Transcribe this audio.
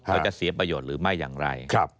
จะเสียประโยชน์หรือไม่อย่างไร